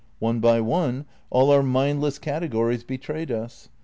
One by one, all our mindless categories betrayed us.